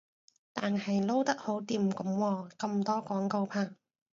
但係撈得好掂噉喎，咁多廣告拍